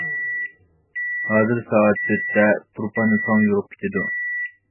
ھازىر سائەت تۆتتە تۇرپاندا تاڭ يورۇپ كېتىدۇ.